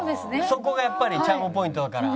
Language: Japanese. そこがやっぱりチャームポイントだから。